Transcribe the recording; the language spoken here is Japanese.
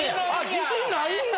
自信ないんや！